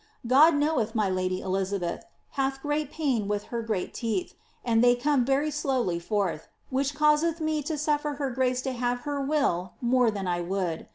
God knowedi my lady (Elizabeth) hath great pain with i' r sreai teeth, and they come very slowly fbrth, which causeth me to suffer her rra. i? to have her will more than I would.